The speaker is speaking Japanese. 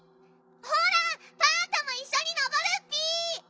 ほらパンタもいっしょに上るッピ！